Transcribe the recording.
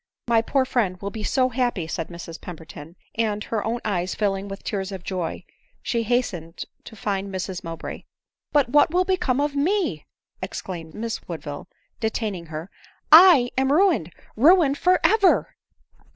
*'" My poor friend will be so happy !" said Mrs Pem berton ; and, her own eyes filling with tears of joy, she hastened to find Mrs Mowbray. " But what will become of me ?" exclaimed Miss Woodville, detaining her —" J am ruined — ruined for ever